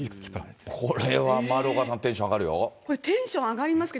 これは丸岡さん、テンション上がりますよ。